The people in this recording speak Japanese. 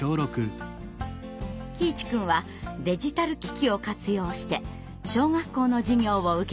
喜一くんはデジタル機器を活用して小学校の授業を受けていました。